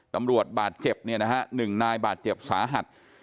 บาดเจ็บเนี่ยนะฮะ๑นายบาดเจ็บสาหัส